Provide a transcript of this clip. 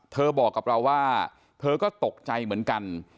บอกกับเราว่าเธอก็ตกใจเหมือนกัน